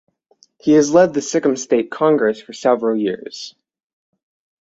He has led the Sikkim State Congress for several years.